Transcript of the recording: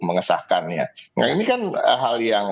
mengesahkannya nah ini kan hal yang